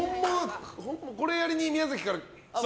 これやりに宮崎から。